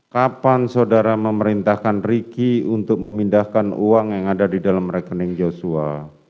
kapan saudara memerintahkan ricky untuk memindahkan uang yang ada di dalam rekening joshua